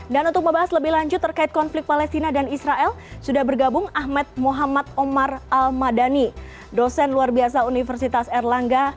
dan untuk membahas lebih lanjut terkait konflik palestina dan israel sudah bergabung ahmed mohamed omar al madani dosen luar biasa universitas erlangga